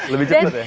lebih cepat ya